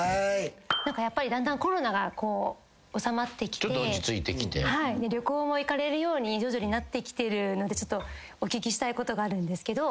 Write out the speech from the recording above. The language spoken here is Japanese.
やっぱりだんだんコロナがおさまってきて旅行も行かれるように徐々になってきてるのでお聞きしたいことがあるんですけど。